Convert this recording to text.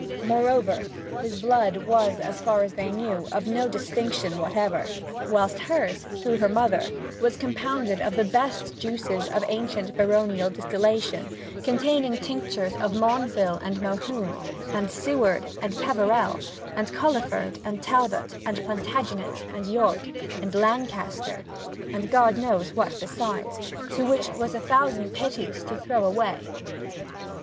Moreover, his blood was, as far as they knew, of no distinction whatever, whilst hers, through her mother, was compounded of the best juices of ancient baronial distillation, containing tinctures of Maundeville, and Mohun, and Syward, and Peverell, and Culliford, and Talbot, and Plantagenet, and York, and Lancaster, and God knows what besides, which it was a thousand pities to throw away.